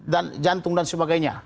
dan jantung dan sebagainya